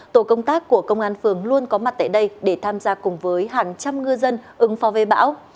tổ công tác của công an phường luôn có mặt tại đây để tham gia cùng với hàng trăm ngư dân ứng phó với bão